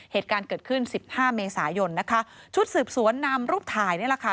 เหตุการณ์เกิดขึ้นสิบห้าเมษายนนะคะชุดสืบสวนนำรูปถ่ายนี่แหละค่ะ